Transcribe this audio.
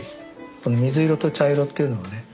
この水色と茶色っていうのをね